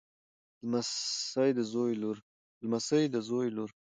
لمسۍ د زوی لور.